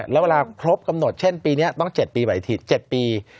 แล้วเวลาครบกำหนดเช่นปีนี้ต้อง๗ปีใหม่๗ปี